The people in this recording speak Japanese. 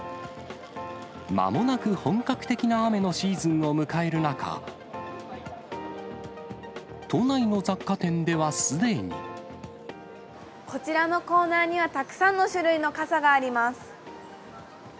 まもなく本格的な雨のシーズンを迎える中、こちらのコーナーには、たくさんの種類の傘があります。